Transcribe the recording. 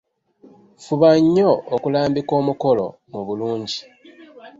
Fuba nnyo okulambika omukolo mu bulungi.